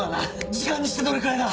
時間にしてどれくらいだ？